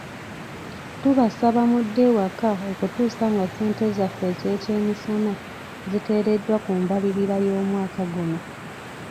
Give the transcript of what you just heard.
Tubasaba mudde ewaka okutuusa nga ssente zaffe ez'ekyemisana ziteereddwa mu mbalirira y'omwaka guno.